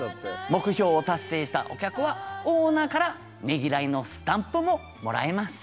目標を達成したお客はオーナーからねぎらいのスタンプももらえます。